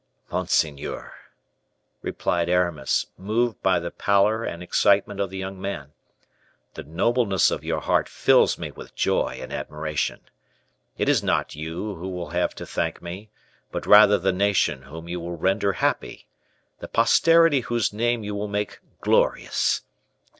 "Monseigneur," replied Aramis, moved by the pallor and excitement of the young man, "the nobleness of your heart fills me with joy and admiration. It is not you who will have to thank me, but rather the nation whom you will render happy, the posterity whose name you will make glorious.